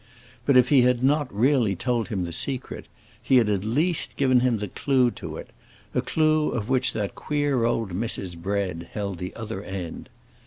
But if he had not really told him the secret, he had at least given him the clew to it—a clew of which that queer old Mrs. Bread held the other end.